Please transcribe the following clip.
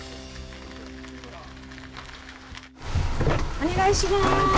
お願いします。